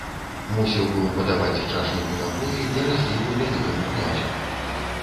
Мусіў быў падаваць чашніку напоі для разліву вялікаму князю.